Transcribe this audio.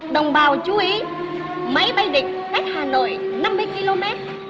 đồng bào chú ý máy bay địch cách hà nội năm mươi km